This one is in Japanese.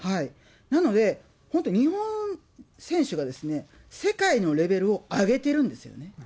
なので、本当、日本選手が世界のレベルを上げてるんですよね。